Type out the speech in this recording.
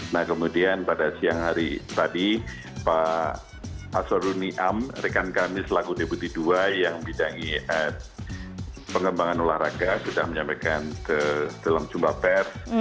nah kemudian pada siang hari tadi pak aswaduni am rekan kami selaku debuti dua yang bidangi pengembangan olahraga sudah menyampaikan ke film jum'at pers